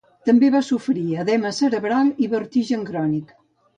També va sofrir edema cerebral i vertigen crònic.